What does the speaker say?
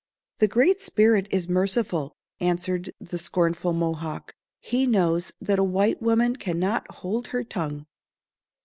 "The Great Spirit is merciful," answered the scornful Mohawk; "He knows that a white woman cannot hold her tongue."